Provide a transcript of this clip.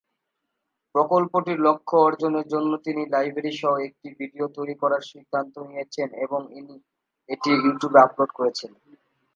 প্রকল্পটির লক্ষ্য অর্জনের জন্য, তিনি লাইব্রেরি সহ একটি ভিডিও তৈরি করার সিদ্ধান্ত নিয়েছেন এবং এটি ইউটিউবে আপলোড করেছেন।